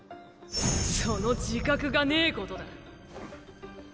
その自覚がねえことだ。